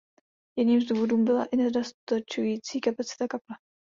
Jedním z důvodů byla i nedostačující kapacita kaple.